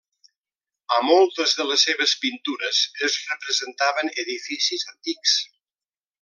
A moltes de les seves pintures es representaven edificis antics.